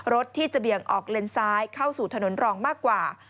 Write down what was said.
รถที่จะเบี่ยงออกเลนซ้ายเข้าสู่ถนนรองมากกว่า